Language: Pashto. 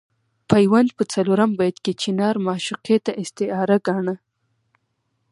پیوند په څلورم بیت کې چنار معشوقې ته استعاره ګاڼه.